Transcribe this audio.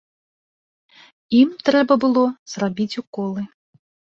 Ім трэба было зрабіць уколы.